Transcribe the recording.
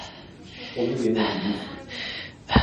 Onu yenebilirsin.